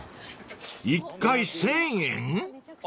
［１回１，０００円？］